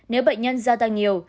nếu bệnh nhân gia tăng nhiều